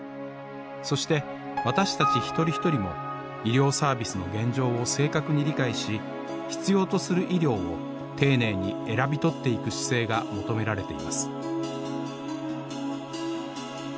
そして私たち一人一人も医療サービスの現状を正確に理解し必要とする医療を丁寧に選び取っていく姿勢が求められています。